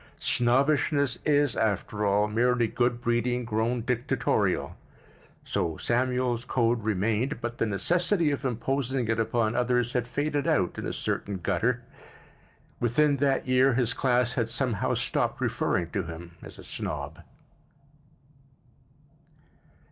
Snobbishness is, after all, merely good breeding grown dictatorial; so Samuel's code remained but the necessity of imposing it upon others had faded out in a certain gutter. Within that year his class had somehow stopped referring to him as a snob.